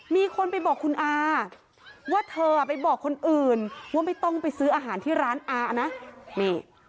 มีคนไปบอกคุณอาว่าเธอไปบอกคนอื่นว่าไม่ต้องไปซื้ออาหารที่ร้านอานะนี่